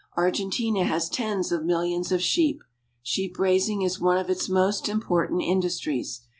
Argentina has tens of millions of sheep. Sheep raising is one of its most important industries.